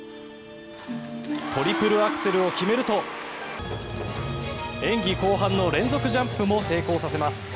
トリプルアクセルを決めると演技後半の連続ジャンプも成功させます。